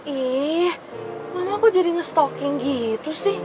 ih mama kok jadi nge stalking gitu sih